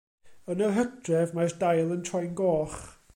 Yn yr hydref mae'r dail yn troi'n goch.